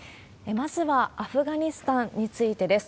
まずは、アフガニスタンについてです。